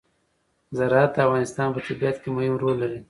زراعت د افغانستان په طبیعت کې مهم رول لري.